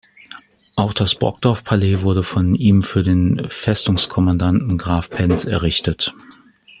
Auch das Brockdorff-Palais wurde von ihm für den Festungskommandanten Graf Pentz errichtet.